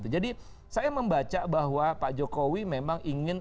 jadi saya membaca bahwa pak jokowi memang ingin